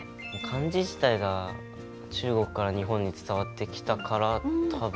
漢字自体が中国から日本に伝わってきたから多分。